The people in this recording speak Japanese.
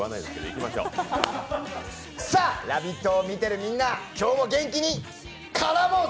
さあ、「ラヴィット！」を見てるみんな、今日も元気に絡もうぜ！